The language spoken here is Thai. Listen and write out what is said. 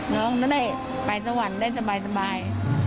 น้องจะได้ไปสวรรค์ได้สบาย